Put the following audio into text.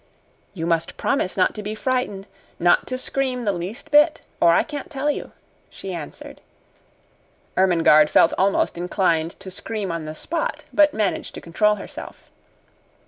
"You must promise not to be frightened not to scream the least bit, or I can't tell you," she answered. Ermengarde felt almost inclined to scream on the spot, but managed to control herself.